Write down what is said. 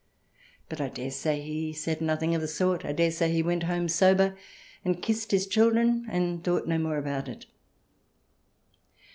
But I daresay he said nothing of the sort. I daresay he went home sober, and kissed his children and thought no more about it.